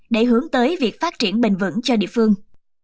để hướng tới việc phát triển bình vẩn cho địa phương